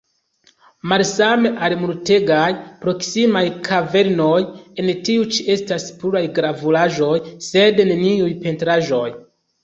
Malsame al multegaj proksimaj kavernoj, en tiu ĉi estas pluraj gravuraĵoj, sed neniuj pentraĵoj.